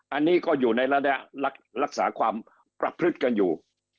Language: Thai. อันนี้ก็อยู่ในระดับรักษาความประพฤติกันอยู่